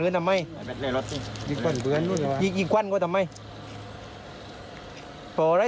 ตั้งปลา